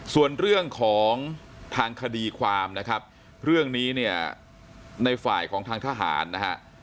ส่วนเรื่องของทางคดีความนะครับเรื่องนี้เนี่ยในฝ่ายของทางทหารนะฮะ